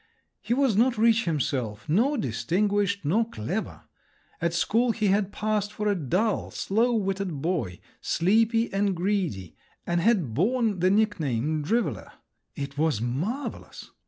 He was not rich himself, nor distinguished, nor clever; at school he had passed for a dull, slow witted boy, sleepy, and greedy, and had borne the nickname "driveller." It was marvellous!